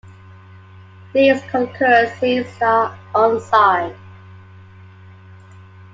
These concurrencies are unsigned.